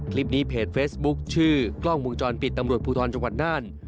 คลิปนี้เพจเฟซบุ๊คชื่อกล้องวงจรปิดตำรวจภูทรจังหวัดน่าน